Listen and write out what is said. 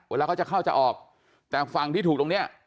เวลาเขาจะเข้าจะออกแต่ฝั่งที่ถูกตรงเนี้ย